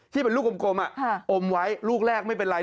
ที่เป็นลูกกลมอมไว้ลูกแรกไม่เป็นไร